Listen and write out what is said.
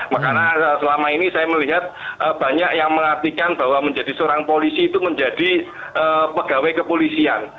makanya selama ini saya melihat banyak yang mengartikan bahwa menjadi seorang polisi itu menjadi pegawai kepolisian